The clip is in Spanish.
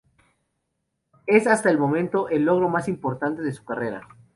Es hasta el momento el logro más importante de su carrera.